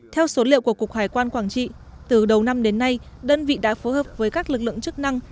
theo số liệu của cục hải quan quảng trị từ đầu năm đến nay đơn vị đã phối hợp với các lực lượng chức năng